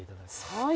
はい。